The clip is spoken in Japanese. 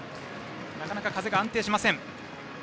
なかなか風が安定しません。